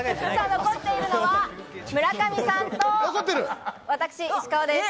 残っているのは村上さんと私、石川です。